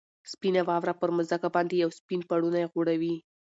سپینه واوره پر مځکه باندې یو سپین پړونی غوړوي.